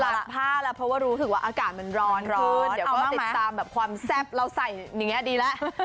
ผ้าแล้วเพราะว่ารู้สึกว่าอากาศมันร้อนเดี๋ยวก็มาติดตามแบบความแซ่บเราใส่อย่างนี้ดีแล้ว